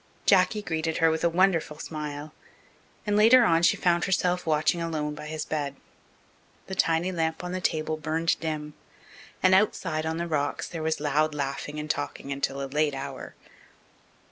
Jacky greeted her with a wonderful smile, and later on she found herself watching alone by his bed. The tiny lamp on the table burned dim, and outside, on the rocks, there was loud laughing and talking until a late hour.